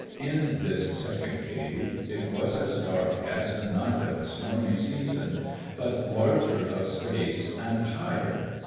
In this second cave it was as dark as the night of a stormy season, but larger of space and higher.